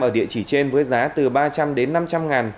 ở địa chỉ trên với giá từ ba trăm linh đến năm trăm linh ngàn